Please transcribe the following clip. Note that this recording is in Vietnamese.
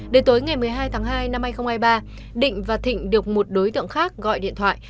đến tối ngày một mươi hai tháng hai năm hai nghìn hai mươi ba định và thịnh được một đối tượng khác gọi điện thoại